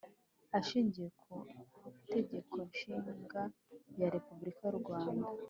Ashingiye ku Itegeko Nshinga rya Repubulika y’u Rwanda